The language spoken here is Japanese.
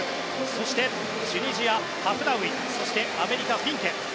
そしてチュニジア、ハフナウイそしてアメリカ、フィンケ。